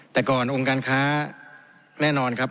แต่ก่อนองค์การค้าแน่นอนครับ